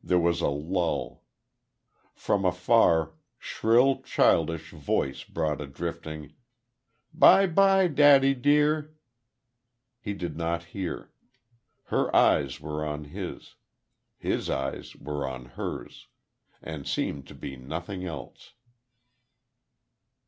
There was a lull. From afar, shrill, childish voice brought a drifting, "Bye, bye, daddy, dear!" ... He did not hear.... Her eyes were on his. His eyes were on hers.... And seemed to be nothing else....